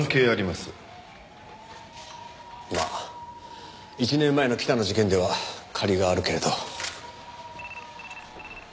まあ１年前の北の事件では借りがあるけれど。